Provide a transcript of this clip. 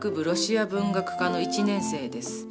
ロシア文学科の１年生です。